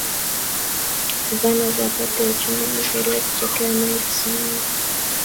Vana va Pate huchumia vulio kuchekea mai kisimani.